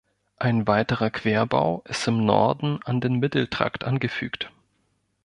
Ein weiterer Querbau ist im Norden an den Mitteltrakt angefügt.